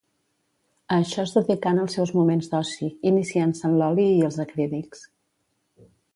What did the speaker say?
A això es dedicà en els seus moments d’oci, iniciant-se en l'oli i els acrílics.